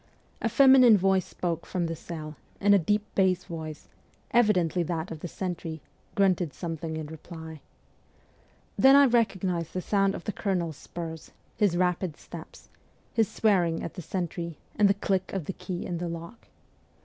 A feminine voice spoke from the cell, and a deep bass voice evidently that of the sentry grunted something in reply. Then I recognised the sound of the colonel's spurs, his rapid steps, his swearing at the sentry, and the click of the key in the lock.